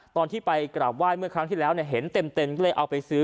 ตอนที่ไปกราบไหว้เมื่อครั้งที่แล้วเห็นเต็มก็เลยเอาไปซื้อ